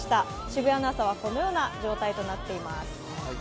渋谷の朝は、このような状態となっています。